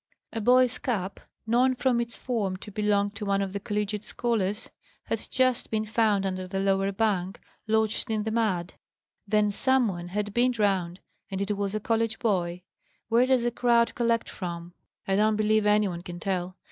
A boy's cap known, from its form, to belong to one of the collegiate scholars had just been found under the lower bank, lodged in the mud. Then some one had been drowned! and it was a college boy. Where does a crowd collect from? I don't believe any one can tell.